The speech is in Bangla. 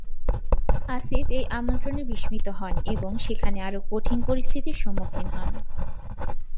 আসিফ এই আমন্ত্রণে বিস্মিত হন এবং সেখানে আরও কঠিন পরিস্থিতির সম্মুখীন হন।